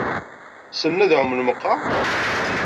Ssnen ad ɛumen meqqar?